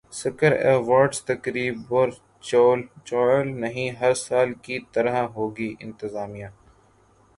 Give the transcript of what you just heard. سکر awards تقریب virtual نہیں ہر سال کی طرح ہوگی انتظامیہ